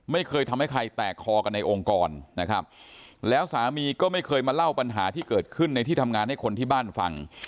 ไม่เคยทำให้ใครแตกคอกันในองค์กรนะครับแล้วสามีก็ไม่เคยมาเล่าปัญหาที่เกิดขึ้นในที่ทำงานให้คนที่บ้านฟัง